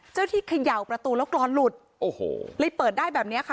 เจ้าที่เขย่าประตูแล้วกรอนหลุดโอ้โหเลยเปิดได้แบบเนี้ยค่ะ